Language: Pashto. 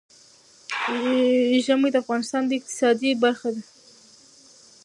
ژمی د افغانستان د اقتصاد برخه ده.